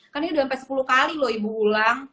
kan ini udah sampai sepuluh kali loh ibu ulang